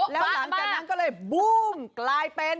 แล้วหลังจากนั้นก็เลยบู้มกลายเป็น